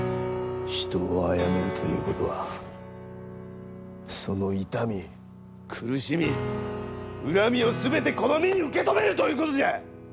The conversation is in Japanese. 人をあやめるということはその痛み、苦しみ、恨みを全てこの身に受け止めるということじゃ！